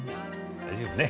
大丈夫ね。